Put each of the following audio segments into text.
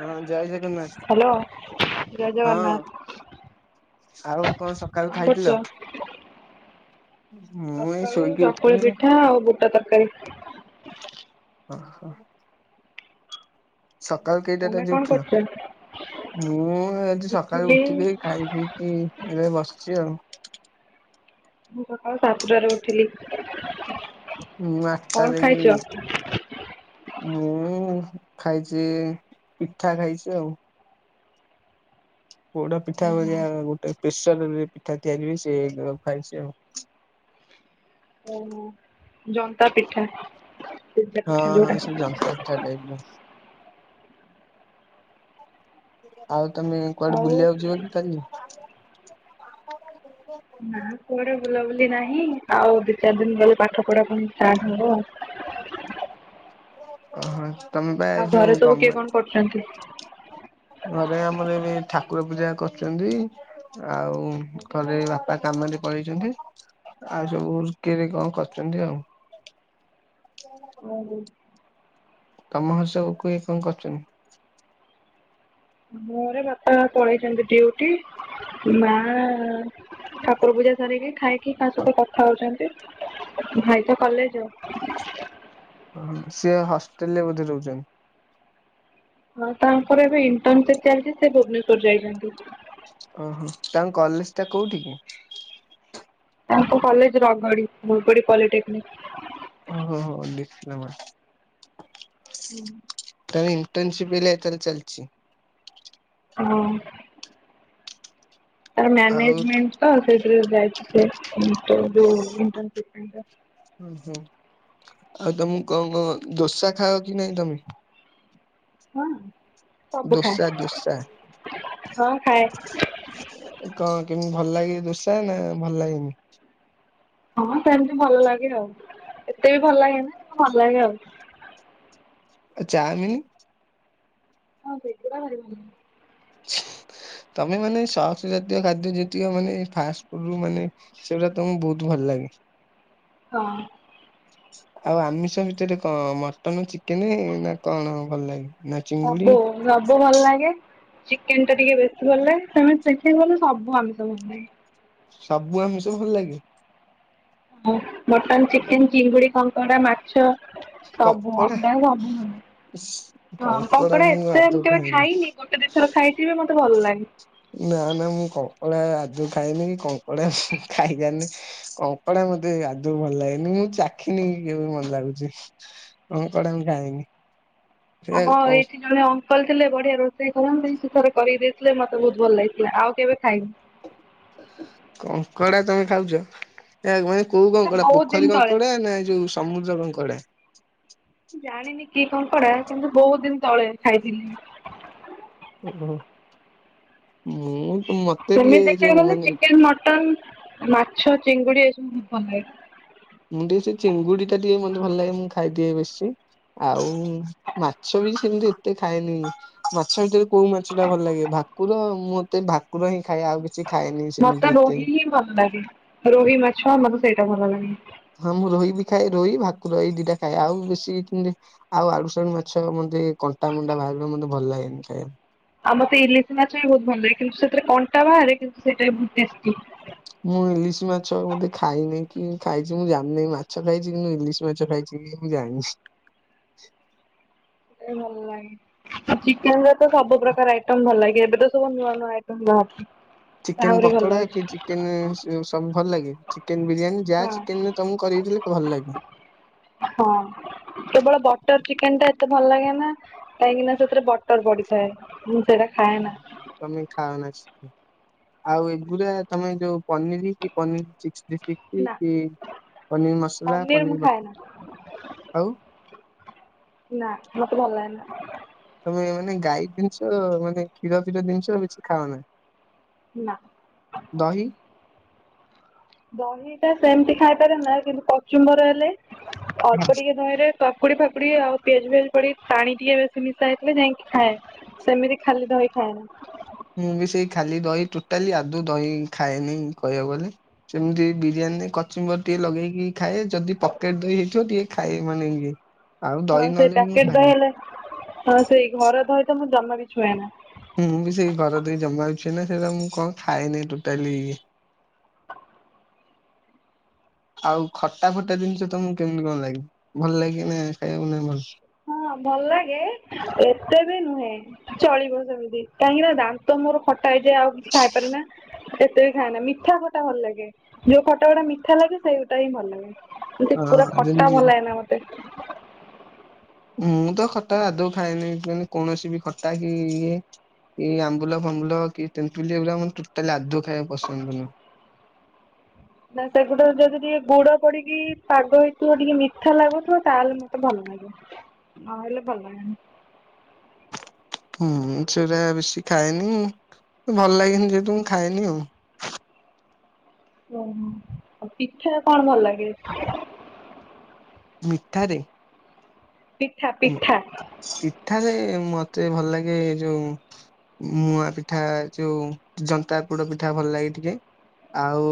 ହଁ ଯାଇ ସେ ନାଇଁ ହ୍ୟାଲୋ ଜୟ ହଁ। ଜଗନ୍ନାଥ ଆଉ କଣ ସକାଳୁ ଖାଇଥିଲ। ମୁଁ ଏଇ ସକାଳୁ ଶୋଇକି ଚକୁଳି ଉଠିଲି ପିଠା ଆଉ ବୁଟ ତରକାରୀ। ଓହୋ। ସକାଳୁ କେଇଟାରେ ତମେ ଆଜି କଣ ଉଠିଲ? କରୁଛ? ମୁଁ ଆଜି ସକାଳୁ ଉଠିଲି ଉଠିକି ଖାଇ ପିଇକି ଏବେ ବସିଚି ଆଉ। ମୁଁ ସକାଳ ସାତଟାରେ ଉଠିଲି। ହୁଁ ଆଠ କଣ ଖାଇଛ? ତାରିଖି ଇ ମୁଁ ଖାଇଛି ପିଠା ଖାଇଛି ଆଉ। ପୋଡ଼ ପିଠା ଓହୋ ଭଳିଆ ଗୋଟେ ପିସ। ପିଠା ତିଆରିି ହୁଏ ସେୟାକୁ ରଖାଇଛି ଆଉ। ଓହୋ ଜନ୍ତା ପିଠା। ସିଝା ହଁ ପିଠା ହଁ ଯୋଉଟା ସେଇ ଜନ୍ତା ପିଠା ଟାଇପର। ଆଉ ତମେ କୁଆଡ଼େ ଆଉ ବୁଲିବାକୁ ଯିବ କି କାଲି? ନା କୁଆଡେ ବୁଲାବୁଲି ନାହିଁ ଆଉ ଦି ଚାରି ଦିନ ଗଲେ ପାଠ ପଢ଼ା ପୁଣି ଷ୍ଟାର୍ଟ ହବ ଆଉ। ଅ ହ ତମ ବା ଏ ଆଉ ଘରେ ଯୋଉ ସବୁ କିଏ କଣ ଗମେଣ୍ଟ କରୁଛନ୍ତି? ଘରେ ଆମର ଏବେ ଠାକୁର ପୂଜା କର ସେମତି ଆଉ ଥରେ ବାପା କାମରେ ପଳେଇଛନ୍ତି। ଆଉ ସବୁ ଉର୍କିରେ କଣ କରୁଛନ୍ତି ଆଉ। [unintelligible] ତମ ଘରେ ସବୁ କିଏ କଣ କରୁଚନ୍ତି? ପଳେଇଚନ୍ତି ଡିଉଟି ମାଆ ଠାକୁର ପୂଜା ସାରିକି ଖାଇକି କାହା ସହିତ କଥା ହଉଚନ୍ତି ଭାଇ ତ କଲେଜ ଆଉ। ସିଏ ହଷ୍ଟେଲରେ ବୋଧେ ରହୁଛନ୍ତି। ହଁ ତାଙ୍କର ଏବେ ଇଣ୍ଟନସିପ ଚାଲିଛି ସେ ଭୁବନେଶ୍ୱର ଯାଇଛନ୍ତି। ଓହୋ ତାଙ୍କ କଲେଜ ଟା କୋଉଠି କି? ତାଙ୍କ କଲେଜ ରଗଡି ବୁଗୁଡ଼ି ପଲିଟେକ୍ନିକ। ଓ ହୋ ହୋ ଦେଖିଲ ହୁଁ। ଇଣ୍ଟେନସିପ ବେଲେ ତାଲେ ଚାଲିଛି। ହଁ। ତାର ଆଉ ମ୍ୟାନେଜମେଣ୍ଟ ତ ସେଥିରେ ଯାଇଚି ସେ ଇଣ୍ଟର ଯୋଉ ଇଣ୍ଟନସିପ ପାଇଁକା। ଓହୋ ଆଉ ତମକୁ କଣ କଣ ଦୋସା ଖାଅ କି ନାଇଁ ତମେ? ହଁ। ସବୁ ଦୋସା ଦୋସା ଖାଏ ହଁ ଖାଏ। କଣ କେମିତି ଭଲ ଲାଗେ ଦୁସା ନା ଭଲ ଲାଗନି ହଁ ସେମତି ଭଲ ଲାଗେ ଆଉ ଏତେ ବି ଭଲ ଲାଗେନା କିନ୍ତୁ ଭଲ ଲାଗେ ଆଉ। ଆଉ ଚାମିନି? ହଁ ସେଗୁଡା ଭାରି ଭଲଲାଗେ। ତମେ ମାନେ ସକ୍ସ ଜାତୀୟ ଖାଦ୍ୟ ଯେତିକ ମାନେ ଫାଷ୍ଟଫୁଡରୁ ମାନେ ସେଗୁଡା ତମକୁ ବୋହୁତ ଭଲ ଲାଗେ। ହଁ। ଆଉ ଆମିଷ ଭିତରେ କଣ ମଟନ ଚିକେନେ ନା କଣ ଭଲ ଲାଗେ? ନା ଚିଙ୍ଗୁଡି ସବୁ ସବୁ ଭଲ ଲାଗେ। ଚିକେନଟା ଟିକେ ବେଶୀ ଭଲଲାଗେ ତମେ ଶଖିଗଲେ ସବୁ ଆମିଷ ଭଲଲାଗେ। ସବୁ ଆମିଷ ଭଲ ଲାଗେ? ହଁ ମଟନ୍ ଚିକେନ୍ ଚିଙ୍ଗୁଡି କଙ୍କଡା ମାଛ ସାବୁ କଙ୍କଡା ଆମ୍ ପାଇଁ ସାବୁ ଭଲଲାଗେ। ହଁ କଙ୍କଡା ଏତେ ମୁଁ କେବେ ଖାଇନି ଗୋଟେ ଦିଥର ଖାଇଥିବି ମତେ ଭଲଲାଗେ। ନା ନା କଙ୍କଡା ମୁଁ ଖାଏନି କି କଙ୍କଡା ମୁଁ ଖାଇଜାଣିନି କଙ୍କଡା ମତେ ଆଦୁ ଭଲ ଲାଗେନି ମୁଁ ଚାଖି ନି କେବେ ଭଲ ଲାଗୁଚି କଙ୍କଡା ମୁଁ ଖାଇନି। ହଁ ଏଇଠି ଜଣେ ଅଙ୍କଲ ଥିଲେ ବଢିଆ ରୋଷେଇ କରନ୍ତି ସେ ଥରେ କରିକି ଦେଇ ଥିଲେ ମତେ ବୋହୁତ ଭଲ ଲାଗିଥିଲା ଆଉ କେବେ ଖାଇନି। କଙ୍କଡ଼ା ତମେ ଖାଉଚ ଏହା କଁମାଇ କୋଉ କଙ୍କଡା ବହୁତ ଦିନ ପୋଖରୀ ତଳେ କଙ୍କଡା ନା ଏଇ ଯୋଉ ସମୁଦ୍ର କଙ୍କଡା? ଜାଣିନି କି କଙ୍କଡା କିନ୍ତୁ ବୋହୁତ ଦିନ ତଳେ ଖାଇଥିଲି। ଓହୋ। ମୁଁ ମତେ ଟିକେ ସେମିତି ଏ ଦେଖିବାକୁ ଯୋଉ ଗଲେ ମାନେ ଚିକେନ ମଟନ ମାଛ ଚନ୍ ଙ୍ଗୁଡି ଏସବୁ ମୁଁ କମ୍ ଖାଏ। ମୁଁ ଟିକେ ସେ ଚିଙ୍ଗୁଡିଟା ଟିକେ ମତେ ଭଲଲାଗେ ମୁଁ ଖାଇଦିଏ ବେଶୀ। ଆଉ ମାଛ ବି ସେମିତି ଏତେ ଖାଏନି ମାଛ ଭିତରେ କୋଉ ମାଛଟା ଭଲଲାଗେ ଭା କୁର ମତେ ଭାକୁର ହିଁ ଖାଏ ଆଉ କିଛି ଖାଏନି ସେମିତି ମତେ ଏତେ। ରୋହି ହିଁ ଭଲଲାଗେ ରୋହି ମାଛ ମତେ ସେଇଟା ଭଲଲାଗେ। ହଁ ମୁଁ ରୋହି ବି ଖାଏ ରୋହି ଭାକୁର ଏଇ ଦିଟା ଖାଏ ଆଉ ବେଶୀ ତ ଏମିତି ଆଉ ଆଡୁ ସାଡୁ ମାଛ ମ ମତେ କଣ୍ଟା ମଣ୍ଡା ବାହାର କରିବାକୁ ମତେ ଭଲ ଲାଗେନି ଖାଇବାକୁ। ଆମକୁ ଇଲିଶି ମାଛ ବି ବୋହୁତ ଭଲଲାଗେ କିନ୍ତୁ ସେଥିରେ କଣ୍ଟା ବାହାରେ କିନ୍ ମୁଁ ଇଲିଶି ମାଛ ବୋଧେ ଖାଇନି। କି ଖାଇଚି ମୁଁ ଜାଣିନେଇ ମାଛ ଖାଇଚି କିନ୍ତୁ ଇଲିଶି ମାଛ ଖାଇଚି କି ମୁଁ ଜାଣନି। ଏ ଭଲ ଲାଗେ। ଆଉ ଚିକେନରେ ତ ସବୁ ପ୍ରକାର ଆଇଟମ୍ ଭଲଲାଗେ ଏବେ ତ ସବୁ ନୂଆନୂଆ ଆଇଟମ ବାହାରୁଚି। ଚିକେନ ପକଡା କି ଚିକେନ ସିଏ-ସବୁ ଭଲଲାଗେ। ଚିକେନ୍ ବିରିୟାନୀ ଯାହା ହଁ ଚିକେନରେ ତମକୁ କରିକି ଦେଲେ ଭଲ ଲାଗେ? ହଁ କେବଳ ବଟର୍ ଚିକେନଟା ଏତେ ଭଲ ଲାଗେନା କାହିଁକି ନା ସେଥିରେ ବଟର ପଡିଥାଏ ମୁଁ ସେଇଟା ଖାଏ ନା ତମେ ଖାଅନା ଚିକେନ୍। ଆଉ ଏଗୁଡା ତମେ ଯୋଉ ପନିରୀ କି ପନିର ଚିକେ ଟିକି ନା କି ପନିର ମସଲା ମୁଁ ପନିର ଖାଏ ନା। ମ-ଆଉ? ନା ମତେ ଭଭ ଲଗେନା। ଓ ମାନେ ଗାଈ ଜିନିଷ ମାନେ କ୍ଷୀର ଫିର ଜିନିଷ କିଛି ଖାଅନା। ନା ଦହି ଦହିଟା ସେମିତି ଖାଇପାରେ ନା କିନ୍ତୁ କଚୁମ୍ବର ହେଲେ ଅଳ୍ପ ଟିକେ ଦହିରେ କାକୁଡି ଫାକୁୁଡି ଆଉ ପିଆଜ ଫିଆଜ ପଡି ପାଣି ଟିକେ ବେଶୀ ମିଶା ହେଇଥିଲେ ଯାଇକି ଖାଏ, ସେମିତି ଖାଲି ସେ ଖଏ [unintelligible] ମୁଁ ବି ସେଇ ଖାଲି ଦହି ଟୋଟାଲି ଆଦୌ ଦହି ଖାଏନି କହିବାକୁ ଗଲେ, ସେମିତି ବିରିୟାନୀ କଚୁମ୍ବର ଟିକେ ଲଗେଇକି ଖାଏ ଯଦି ପକେଟ ଦହି ହେଇଥିବ ଟିକେ ଖାଏ, ମାନେେ ହଁ ସେଇ ପ୍ୟାକେଟ ଦହି ହେଲେ, ହଁ ସେଇ ଘର ଦହିତ ମୁଁ ଜମା ବି ଛୁଏ ନା । ମୁଁ ବି ସେଇ ଘର ଦହି ଜମା ବି ଛୁଏଁନା, ସେଇଟା ମୁଁ କଣ ଖାଏନି ଟୋଟାଲି [inaudible] ଆଉ ଖଟା ଫଟା ଜିନିଷ ତମକୁ କେମିତି କଣ ଲାଗେ? ଭଲ ଲାଗେ ନା ଖାଇବାକୁ ନାଇଁ ଭଲ ହଁ ଭଲ ଲାଗେ, ଏତେ ବି ନୁହେଁ, ଚଳିବ ସେମିତି, କାହିଁକି ନା -ଦାନ୍ତ ମୋର ଖଟା ହେଇଯାଏ, ଆଉ କିଛି ଖାଇପାରେନା, ଏତେ ବି ଖାଏ ନା, ମିଠା ଖଟା ଭଲ ଲାଗେ, ଯୋଉ ଖଟା ଗୁଡା ମିଠା ବି ସେଇଟା ହିଁ ଭଲ ଲାଗେ, ଏତି ପୁରା ହଁ ଖଟା ଯେମିତି ଭଲ ଲାଗେ ନା ମତେ ମୁଁ ତ ଖଟା ଆାଦୌ ଖାଏନି, ମାନେ କୌଣସି ବି ଖଟା କି ଇଏ ଏ ଆମ୍ବୁଲ ଫାମ୍ବୁଲ କି ତେନ୍ତୁଲି, ଏଗୁଡା ମୋର ଟୋଟାଲି ଆଦୌ ଖାଇବାକୁ ପସନ୍ଦ ନୁଁହ [inaudible] ନା ସେଗୁଡା ଯଦି ଟିକେ ଗୁଡ ପଡିକି ପାଗ ହେଇଥିବ ଟିକେ ମିଠା ଲାଗୁଥିବ, ତାହେଲେ ମତେ ଭଲ ଆିଲ ପଣି [unintelligible] ହୁଁ, ସେଇଟା ବେଶୀ ଖାଇନି। ଭଲ ଲାଗନି ଯେହେତ, ମୁଁ ଖାଏନି ଆଉ ଓହୋ, ଆଉ ପିଠା କଣ ଭଲ ଲାଗେ? ମିଠାରେ ପିଠା ହଁ ପିଠା। ପିଠାରେ ମତେ ଭଲ ଲାଗେ, ଯୋଉ ମୁଆଁ ପିଠା, ଯୋଉ ଜନ୍ତା ପୋଡ ପିଠା ଭଲ ଲାଗେ ଟିକେ, ଆଉ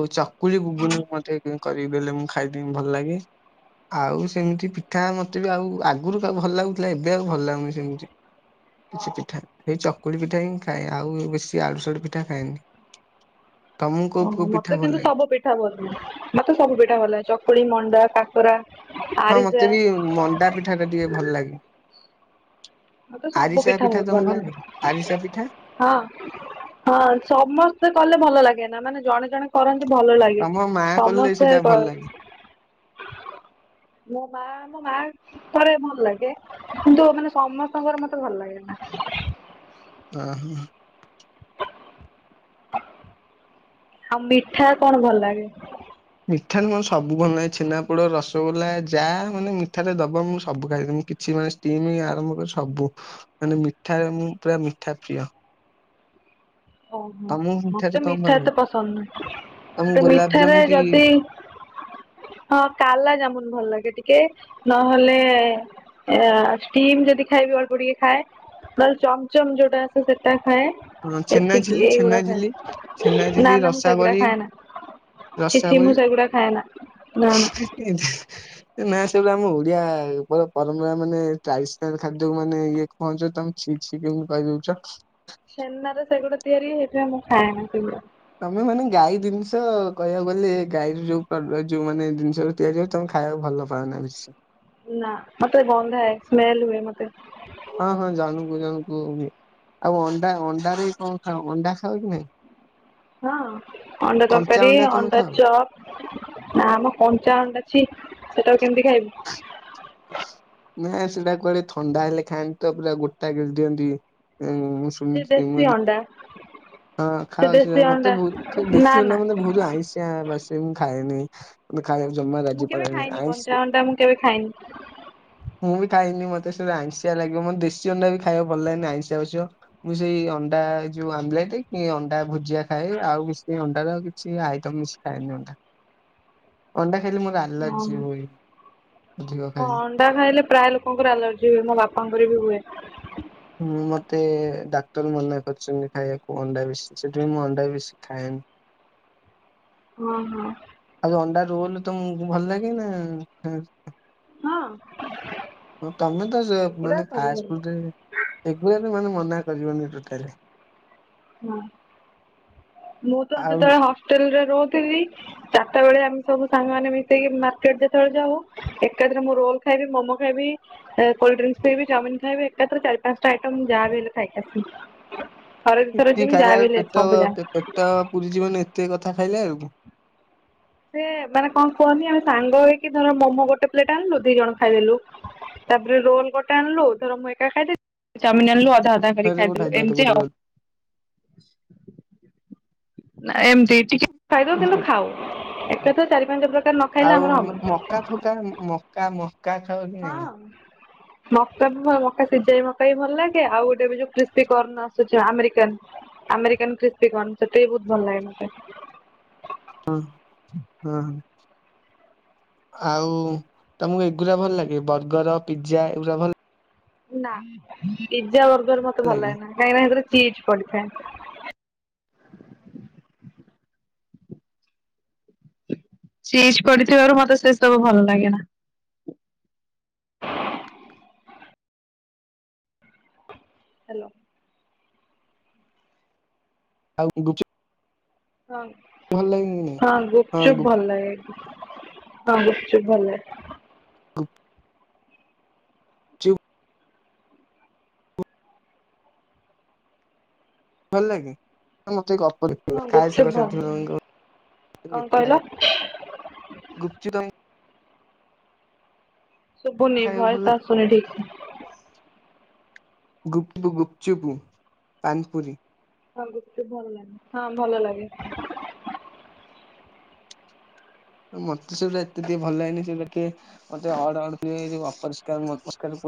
କୁଲିୁବୁନ ମତେ [unintelligible] କରିକି ଦେଲେ ମୁଁ ଖାଇଦମି ଭଲ ଲାଗେ, ଆଉ ସେମିତି ପିଠା ମତେ ବି ଆଉଗ ଆଗରୁ ଭଲ ଲାଗୁଥିଲା, ଏବେ ଆଉ ଭଲ ଲାଗୁନି ସେମିତି କିଛି ପିଠା ଏଇ ଚକୁଳି ପିଠା ହିଁ ଖାଏ ଆଉ ବେଶୀ ଆଡ଼ୁସଡୁ ପିଠା ଖାଏନି । [inaudible] ଓହ ମତେ କିନ୍ତୁ ସବୁ ପିଠା ଭଲ, ମତେ ସବୁ ପିଠା ଭଲ, ଚକୁଳି, ମଣ୍ଡା, କାକରା ହଁ ମତେ ଆରିସା ବି ମଣ୍ଡା ପିଠା ଟା ଟିକେ ଭଲ ଲାଗେ। ମୋତେ ସବୁ ଆରିସା ପିଠା ବହୁତ ଭଲ ତମକୁ ଲାଗେ। ଆରିସା ପିଠା ହଁ ହଁ ସମସ୍ତେ କଲେ ଭଲ ଲାଗେ ନା, ମାନେ ଜଣେ ଜଣେ କରନ୍ତି ଭଲ ଲାଗେ, ତମ ମା କଲେ ସମସ୍ତେ ସେଇଟା ଭଲ ଲାଗେ। ମୋ ମା ମୋ ମା କରେ ଭଲ ଲାଗେ କିନ୍ତୁ ମାନେ ସମସ୍ତଙ୍କର ମତେ ଭଲ ଲାଗେ ନା । ଓ ହୋ ଆଉ ମିଠା କଣ ଭଲ ଲାଗେ? ମିଠାରେ ମୋର ସବୁ ଭଲ ନାହିଁ ଛେନା ପୋଡ, ରସଗୋଲା, ଯାହା ମାନେ ମିଠାରେ ଦବା ମୁଁ ସବୁ ଖାଇଦେବି, ମୁଁ କିଛି ଆରମ୍ଭ କରି ସବୁ ମାନେ ମିଠା ମୁଁ ପୁରା ମିଠା ପ୍ରିୟ । [inaudible] ଓହୋ, ମତେ ମିଠା ଲାଗେ? ଏତେ ପସନ୍ଦ ତମକୁ ନାହିଁ, ମିଠାରେ ଗୋଲାପଜାମୁ କି ଯଦି ସେ ହଁ କାଲା ଜାମୁନ ଭଲ ଲାଗେ ଟିକେ ନହେଲେ ଷ୍ଟିମ ଯଦି ଖାଇବି ଅଳ୍ପ ଟିକେ ଖାଏ । ନହେଲେ ଚମଚମ ଯୋଉଟା ଆସେ, ସେଟା ଖାଏ । ହଁ ଛେନାଝିଲି, ଛେନାଝିଲି, ନା ଛେନାଝିଲି, ନା ମୁଁ ସେଗୁଡା ରସାବଳି ଖାଏ ନା ଛି ଛି ମୁଁ ରସାବଳି ସେଗୁଡା ଖାଏ ନା। ନା ନା ନା ସେଗୁରା ଆମ ଓଡିଆ ଉପର ପରମ୍ପରା ମାନେ ଟ୍ରାଡିସନାଲ ଖାଦ୍ୟକୁ ମାନେ ଇଏ ପହଞ୍ଚଛ ତମେ କିଛି କେମତି କହିଦଉଛ? ଛେନାରେ ସେଗୁଡା ତିଆରି ହେଇଥାଏ, ମୁଁ ଖାଏନି ସେଗୁଡା। ତମେ ମାନେ ଗାଈ ଜିନିଷ କହିବାକୁ ଗଲେ ଗାଈର ଯୋଉ ଯୋଉ ମାନେ ଜିନିଷ ତିଆରିଯିବ ତମେ ଖାଇବାକୁ ଭଲ ପାଅନା ବେଶୀ। ନା ମତେ ଗନ୍ଦା ସ୍ମେଲ ହୁଏ ମତେ। ହଁ ହଁ ଜଣଙ୍କୁ ଜଣଙ୍କୁ ବି ଆଉ ଅଣ୍ଡା ଅଣ୍ଡାରେ କଁ ଖାଅ ଅଣ୍ଡା ଖାଅ କି ନାଇଁ। ହଁ ଅଣ୍ଡା କଞ୍ଚା ତରକାରୀ ତମେ ଅଣ୍ଡା ଖାଅ? ଚପ ନାଆଁମ ଅଣ୍ଡା ଛି ସେଟାକୁ କେମିତି ଖାଇବୁ। ନାଁ ସେଇଟା କୁଆଡେ ଥଣ୍ଡା ହେଲେ ଖାଆନ୍ତି। ତ ପୁରା ଗୋଟା ଗିଳିଦିଆନ୍ତି। ଏନ୍ ମୁଁ ସେ ଶୁଣିଚି ଦେଶୀ ଏମାନେ ଅଣ୍ଡା ହଁ ସେ ଖାଉଛ ଦେଶୀ ମତେ ଅଣ୍ଡା ବୋହୁତ ମ ନା ଦେଶି ନା ଅଣ୍ଡା ମତେ ବୋହୁତ ଆଁଇସିଆ ବାସେ। ଏ ମୁଁ ଖାଏନି ମତେ ଖାଇବାକୁ ଜମା ମୁଁ ଲାଜ କେବେ ମାଡେନି ଖାଇନି ଆଁଇସ୍ କଞ୍ଚା ଅଣ୍ଡା ମୁଁ କେବେ ଖାଇନି ମୁ ବି ଖାଇନି ମତେ ସେଡା ଆଁଇଷିଆ ଲାଗିବ ମତେ ଦେଶୀ ଅଣ୍ଡା ବି ଖାଇବ କୁ ଭଲ ଲାଗେନି ଆଁଇଷିଆ ବାସିବ ମୁଁ ସେଇ ଅଣ୍ଡା ଣ୍ଡାରେ ଯୋଉ ଆମ୍ବଲଟ କି ଅଣ୍ଡା ଭୁଜିଆ ଖାଏ। ଆଉ କିଛି ଅଣ୍ଡାର କିଛି ଆଇଟମ ବେଶି ଖାଏନି ଅଣ୍ଡା। ଅଣ୍ଡା ଖାଇଲି ମୋର ଆଲର୍ଜି ଓହୋ ହୁଏ। ଅଧିକ ହଁ ଖାଇଲେ। ଅଣ୍ଡା ଖାଇଲେ ପ୍ରାୟ ଲୋକୋଙ୍କର ଆଲର୍ଜି ହୁଏ ମୋ ବାପାଙ୍କର ବି ହୁଏ। ହୁଁ ମତେ ଡାକ୍ତର ମନାେ କରିଚନ୍ତି ଖାଇବାକୁ ଅଣ୍ଡା ବେଶି ସେଥିପାଇଁ ମୁଁ ଅଣ୍ଡା ବେଶୀ ଖାଏନି। [inaudible] ହୁଁ ହୁଁ। ରୋଲ୍ ତମକୁ ଭଲ ଲାଗେ ନା ନାଁ ହଁ। ହଁ ତମେ ତ ଜ ସେଗୁଡା ମାନେ ସବୁ ଫାଷ୍ଟ ଭଲ ଫୁଡ୍ ରେ ଏଗୁରା ବି ମାନେ ମନା ଭାତ ଜୀବନୀ ଗୋଟେ ତରକାରିରେ। ହଁ ମୁଁ ତ ଆଉ ଯେତେବୋଳେ ହଷ୍ଟେଲରେ ରୋହୁଥିଲି ଚାର୍ଟା ବେଳେ ଆମେ ସବୁ ସାଙ୍ଗ ମିଶେଇକି ମାର୍କେଟ ଯେତୋବେଳେ ଯାଉ ଏକାଥରେ ମୋ ରୁମ୍ ଖାଇି ମୋମୋ ଖାଇି କଲଡ୍ରିଙ୍କସ ଖବି ଚାଉମିନ ଖାଇବି ଏକାଥରେ ଚାର ପାଞ୍ଚଟା ଆଇଟମ ଯାହା ବି ହେଲେ ଖାଇ [unintelligible] ସେତିକି ଖାଇଲା ବେଳକୁ ପେଟ ପେଟ ପୁରୀ ଜୀବନ ଏତେ କଥା ଖାଇଲା ବେଳକୁ। ସେ ମାନେ କଁ କୁହନି ଆମେ ସାଙ୍ଗ ହେଇକି ଧର ମୋମୋ ଗୋଟେ ପ୍ଲେଟ ଆଣିଲୁ ଦିଜଣ ଖାଇଦେଲୁ। ତାପରେ ରୋଲ ଗୋଟେ ଆଣିଲୁ ଧର ମୁଁ ଏକା ଖାଇଦେଲି ଚାଓମିଁନ୍ ଆଣିଲୁ ଅ ଅଧା ଅଧା କରିକି ଥରେ ଗୋଟେ ଖାଇଦେଲୁ ଖାଇଦବା ଏମତି ଗୋଟେ ଆଉ। ରୋଲ। ଏମତି ଟିକେ ଖାଇ ଦୋଉଥିଲୁ ଖାଉ ଏକାଥରେ ଚାରି ପାଞ୍ଚ ପ୍ରକାର ନ ଖାଇଲେ ଆଉ ଆମର ମକା ଫକା ହବନି। ମକା ମକା ଖାଅ କି ନାଇଁ? ହଁ। [unintelligible] ମକା ବି ଭ ମକା ସିଜାବି ମକାବି ଭଲ ଲାଗେ ଆଉ ଗୋଟେ ବି ଯୋଉ କ୍ରିପସି କର୍ଣ ଆସୁଚି ଆମେରିକାନ। ଆମେରିକାନ୍ କ୍ରିପସି କର୍ଣ ସେଠୀ ବି ବହୁତ ଭଲ ଲାଗେ ମତେ। ହଁ ହଁ ଆଉ ତମକୁ ଏଗୁରା ଭଲ ଲାଗେ ବର୍ଗର୍ ପିଜା ଏଗୁରା ଭଲ୍ ନା ପିଜା ବର୍ଗର ମତେ ଭଲ ଲାଗେ ଲାଗେନା କାହିଁକିନା ହେତିରେ ଚିଜ୍ ପଡ଼ିଥାଏ। ଚିଜ୍ ପଡ଼ିଥିବାରୁ ମତେ ଶେଷବୁ ଭଲ ଲାଗିଲା। [unintelligible] ହାଲୋ। ଆଉ [unintelligible] ହଁ ଭଲ ଲାଗେ କି ନାଇଁ ହଁ ହଁ ଗୁପଚୁପ ଭଲ ଲାଗେ। ହଁ ବଶଛୁ ଭଲ। [unintelligible] ଭଲ ଲାଗେ ମତେ ହଁ [unintelligible] ଖାଏ ଗୁପଚୁପ୍ ସାଙ୍ଗ ଭଲ ସାଥୀ ଲାଗେ କଣ କହିଲ ମାନଙ୍କ [unintelligible] ଶୁଭୁନି ଖାଇବାକୁ ଭଲ ଭଏସ ଲାଗେ ଆସୁନି ଠିକ ଗୁପୁ ଗୁପଚୁପୁ ପାନପୁରୀ। ହଁ ଗୁପଚୁପ୍ ଭଲ ଲାଗେ ହଁ ଭଲ ଲାଗେ। ମତେ ସେଗୁରା ଏତେ ଟିକେ ଭଲ ଲାଗେନି ସେଗୁରା ଟିକେ ମତେ ଅର୍ଡ ଅର୍ଡଟିକେ ଏ ଯୋଉ ଅପରଷ୍କାର ମପରଷ୍କାର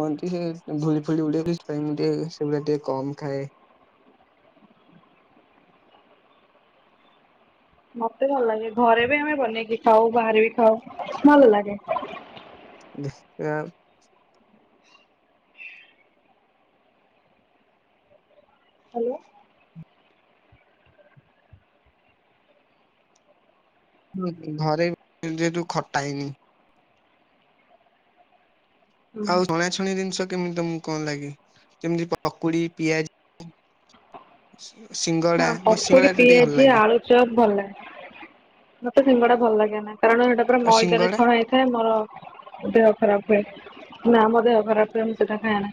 କୁହନ୍ତି ସେ ଭୁଳି ଫୁଳି ଉଡ଼େ ବି ସେଥିପାଇଁ ସେଗୁଡ଼ା ଟିକେ କମ୍ ଖାଏ । ମତେ ଭଲ ଲାଗେ ଘରେ ବି ଆମେ ବନେଇକି ଖାଉ, ବାହାରେ ବି ଖାଉ ଭଲ ଲାଗେ । [unintelligible] ହ୍ୟାଲୋ। ଘରେ ଯେହେତୁ ଖଟା ହେଇନି। ହଁ ଆଉ ଶୁଣୁଛ ଛଣା ଜିନିଷ କେମିତି କଣ ଲାଗେ ଯେମିତି ପକୁଡ଼ି ପିଆଜି? ଆଚ୍ଛା। ହଁ ପକୁଡ଼ି ପିଆଜି ଆଳୁଚପ୍ ଭଲ ଲାଗେ । ମତେ ସିଙ୍ଗଡ଼ା ଭଲ ଲାଗେ ନା କାରଣ ସେଟା ପୁରା ଆଉ ମଇଦରେ ସିଙ୍ଗଡା ଛଣା ହେଇଥାଏ ମୋର ଦେହ ଖରାପ ହୁଏ ନା ମୋ ଦେହ ଖରାପ ହୁଏ, ମୁଁ ସେଟା ଖାଏ ନା।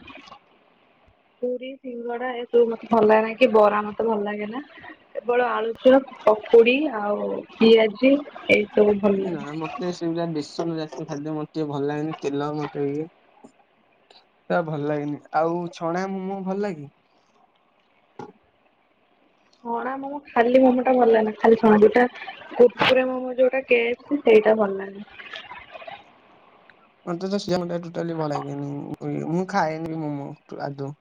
ପୁଡ଼ି ସିଙ୍ଗଡ଼ା ଏସବୁ ମତେ ଭଲ ଲାଗେନାହିଁ କି ବରା ମତେ ଭଲ ଲାଗେ ନାହିଁ। କେବଳ ଆଳୁଚପ୍ ପକୁଡ଼ି ଆଉ ପିଆଜି ଏଇ ସବୁ ଭଲ ନା ଲାଗେ। ମତେ ସେ ବେସନ ଜାତୀୟ ଖାଦ୍ୟ ମତେ ଟିକେ ଭଲ ଲାଗେନି ତେଲ ମତେ ଟିକେ ସେ ଭଲ ଲାଗନି ଆଉ ଛଣା ମୁଁ ଭଲ ଲାଗେ? ହଣା ମୋମ ଖାଲି ମୋମ ଟା ଭଲ ଲାଗ ନା ଖାଲି ଛଣା ଦିଟା କୁକୁରେ ମୋମୋ ଯୋଉଟା କେ ସେ ସେଇଟା ଭଲଲାଗେ। ମତେ ତ ସେ ଜିନିଷ ଟୋଟାଲି ଭଲ ଲାଗେ ନି, ମୁଁ ଖାଏନି ମୁଁ ମୁଁ ଆଦୌ